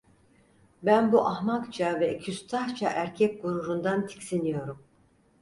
Ben bu ahmakça ve küstahça erkek gururundan tiksiniyorum.